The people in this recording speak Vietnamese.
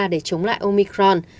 để chống lại omicron